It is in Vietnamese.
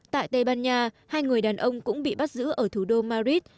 tại tây ban nha hai người đàn ông cũng bị bắt giữ ở thủ đô madrid